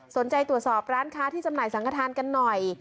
ตรวจสอบร้านค้าที่จำหน่ายสังขทานกันหน่อย